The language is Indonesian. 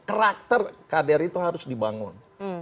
karakter kader itu harus dibangun